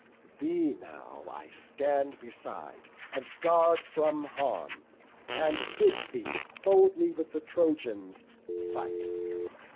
Thee now I stand beside, and guard from harm, And bid thee boldly with the Trojans fight.